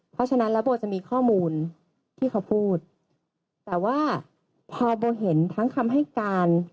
เพราะฉะนั้นแล้วโบจะมีข้อมูลที่เขาพูดแต่ว่าพอโบเห็นทั้งคำให้การ